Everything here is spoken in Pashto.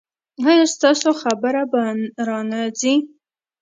ایا ستاسو خبرتیا به را نه ځي؟